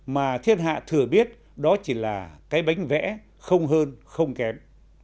mà thiên hạ thừa biết đó chỉ là cái bánh vẽ không hơn không kém